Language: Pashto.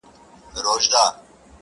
عزراییل به یې پر کور باندي مېلمه سي؛